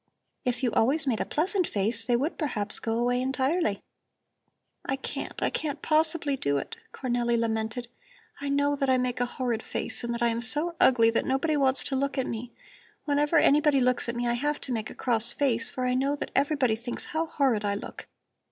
If you always made a pleasant face they would perhaps go away entirely." "I can't! I can't possibly do it," Cornelli lamented. "I know that I make a horrid face and that I am so ugly that nobody wants to look at me. Whenever anybody looks at me I have to make a cross face, for I know that everybody thinks how horrid I look.